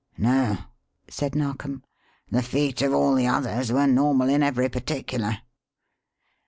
"No," said Narkom. "The feet of all the others were normal in every particular."